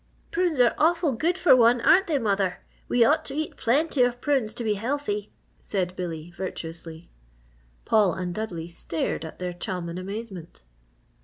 "Prunes are awful good for one, aren't they, mother? We ought to eat plenty of prunes to be healthy!" said Billy, virtuously. Paul and Dudley stared at their chum in amazement.